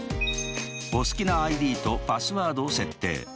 お好きなＩＤとパスワードを設定。